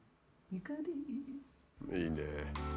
いいねえ。